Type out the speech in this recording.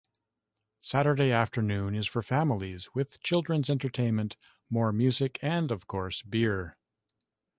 Saturday afternoon is for families, with children's entertainment, more music, and of course, beer.